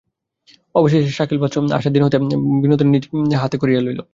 অবশেষে সখিবাৎসল্যবশে আশার হাত হইতে তাহার কর্তব্যভার বিনোদিনী নিজের হাতে কাড়িয়া লইল।